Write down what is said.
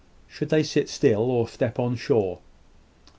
Should they sit still, or step on shore?